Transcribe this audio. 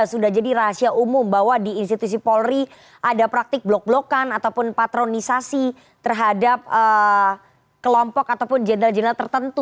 sudah jadi rahasia umum bahwa di institusi polri ada praktik blok blokan ataupun patronisasi terhadap kelompok ataupun jenderal jenderal tertentu